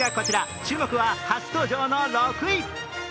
注目は初登場の６位。